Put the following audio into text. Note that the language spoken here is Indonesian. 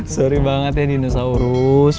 sorry banget ya dinosaurus